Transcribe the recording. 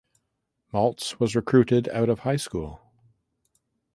Maltz was recruited out of high school.